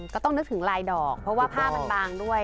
ก็ต้องนึกถึงลายดอกเพราะว่าผ้ามันบางด้วย